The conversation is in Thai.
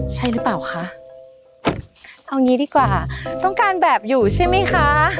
ใช่หรือเปล่าคะเอางี้ดีกว่าต้องการแบบอยู่ใช่ไหมคะ